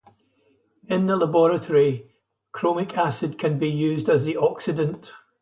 In the laboratory, chromic acid can be used as the oxidant.